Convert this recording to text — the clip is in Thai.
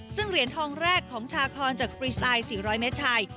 ซึ่งเหรียญทองแรกของชาคอนจากฟรีสไตล์๔๐๐เมตรชาย